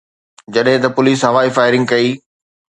جڏهن ته پوليس هوائي فائرنگ ڪئي.